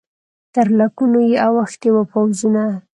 تر لکونو یې اوښتي وه پوځونه